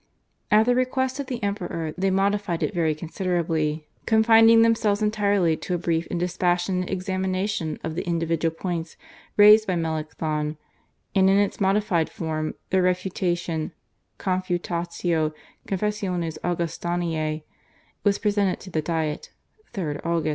At the request of the Emperor they modified it very considerably, confining themselves entirely to a brief and dispassionate examination of the individual points raised by Melanchthon, and in its modified form their refutation (/Confutatio Confessionis Augustanae/) was presented to the Diet (3rd Aug.).